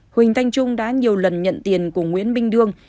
huỳnh thanh trung đã nhiều lần nhận tiền của nguyễn minh đương